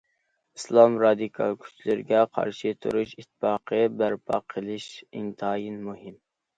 ئىسلام رادىكال كۈچلىرىگە قارشى تۇرۇش ئىتتىپاقى بەرپا قىلىش ئىنتايىن مۇھىم.